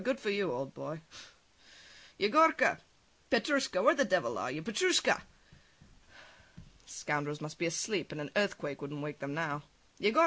Good for you, old boy! [Calls] Yegorka! Petrushka! Where the devil are you? Petrushka! The scoundrels must be asleep, and an earthquake wouldn't wake them now! Yegorka!